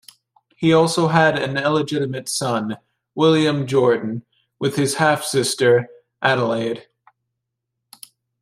He also had an illegitimate son, William-Jordan, with his half-sister Adelaide.